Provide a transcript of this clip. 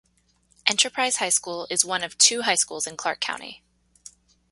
Enterprise High School is one of two high schools in Clarke County.